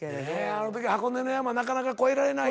あの時箱根の山なかなか越えられない。